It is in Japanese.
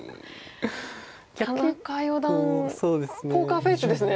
田中四段ポーカーフェースですね。